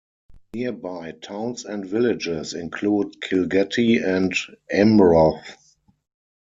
Nearby towns and villages include Kilgetty and Amroth.